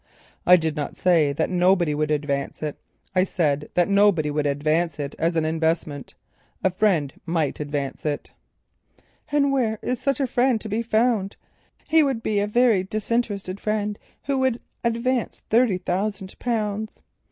"I did not say that nobody will advance it; I said that nobody would advance it as an investment—a friend might advance it." "And where is such a friend to be found? He must be a very disinterested friend who would advance thirty thousand pounds."